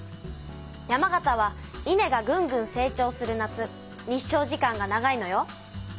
山形は稲がぐんぐん成長する夏日照時間が長いのよ。